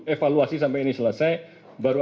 evaluasi sampai ini selesai baru